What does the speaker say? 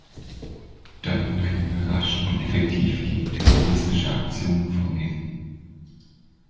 Damit könnten wir rasch und effektiv gegen terroristische Aktionen vorgehen.